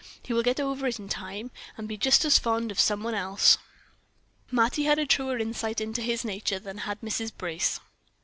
He will get over it in time, and be just as fond of some one else." Mattie had a truer insight into his nature than had Mrs. Brace.